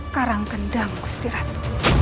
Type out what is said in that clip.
karangkendang gusti ratu